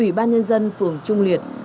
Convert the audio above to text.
ủy ban nhân dân phường trung liệt